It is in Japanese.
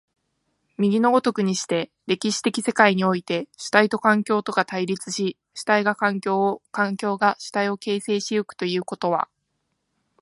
右の如くにして、歴史的世界において、主体と環境とが対立し、主体が環境を、環境が主体を形成し行くということは、